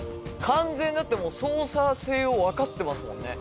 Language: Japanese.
完全に、だって、もう操作性をわかってますもんね。